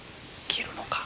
切るのか？